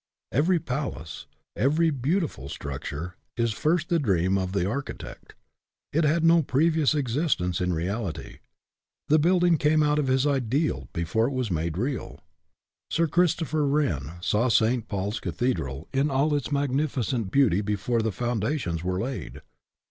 Every palace, every beautiful structure, is first the dream of the architect. It had no previous existence in reality. The building came out of his ideal before it was made real. Sir Christopher Wren saw Saint Paul's Cathedral in all its magnificent beauty before the foundations were laid.